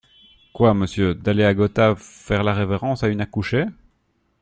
Quoi, monsieur, d’aller à Gotha, faire la révérence à une accouchée ?